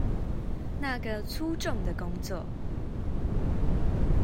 那個粗重的工作